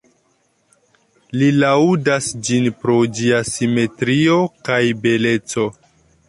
Li laŭdas ĝin pro ĝia simetrio kaj beleco.